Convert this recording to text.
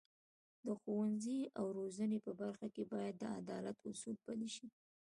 د ښوونې او روزنې په برخه کې باید د عدالت اصول پلي شي.